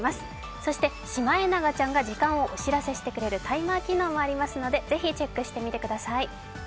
そしてシマエナガちゃんが時間をお知らせしてくれるタイマー機能もありますのでぜひチェックしてみてください。